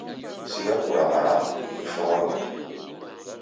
Sigha kuramarama, kushoghonoka